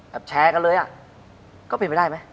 แชร์กันเลยอ่ะก็เป็นไปได้ไหม